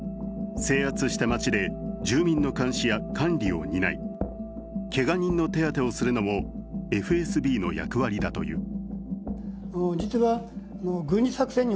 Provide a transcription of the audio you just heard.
制圧した街で住民の監視や管理を担い、けが人の手当てをするのもＦＳＢの役割だという。